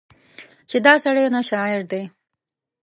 چې دا سړی نه شاعر دی